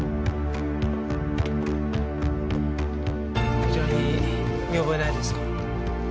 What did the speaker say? こちらに見覚えないですか？